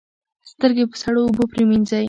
سترګې په سړو اوبو پریمنځئ.